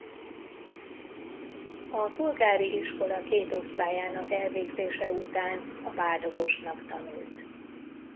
A polgári iskola két osztályának elvégzése után a bádogosnak tanult.